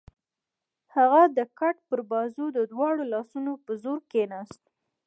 هغه د کټ پر بازو د دواړو لاسونو په زور کېناست.